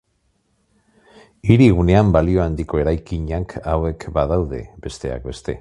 Hirigunean balio handiko eraikinak hauek badaude, besteak beste.